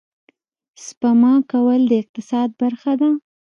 سپما کول د اقتصاد برخه ده